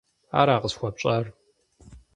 - Ара къысхуэпщӏар?